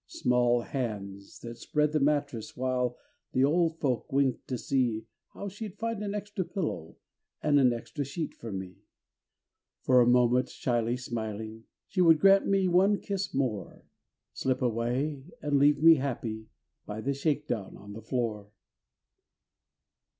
Small brown hands that spread the mattress While the old folk winked to see How she'd find an extra pillow And an extra sheet for me. For a moment shyly smiling, She would grant me one kiss more Slip away and leave me happy By the shake down on the floor.